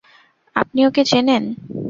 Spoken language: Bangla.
আপনি ওকে চেনেন?